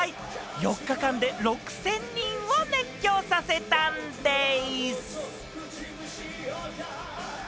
４日間で６０００人を熱狂させたんでぃす！